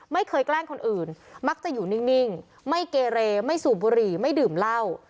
แกล้งคนอื่นมักจะอยู่นิ่งไม่เกเรไม่สูบบุหรี่ไม่ดื่มเหล้า